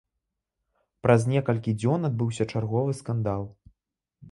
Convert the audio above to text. Праз некалькі дзён адбыўся чарговы скандал.